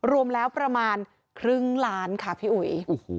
รวมแล้วประมาณครึ่งล้านค่ะพี่อุ๋ย